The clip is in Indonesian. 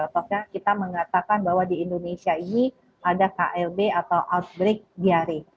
apakah kita mengatakan bahwa di indonesia ini ada klb atau outbreak diare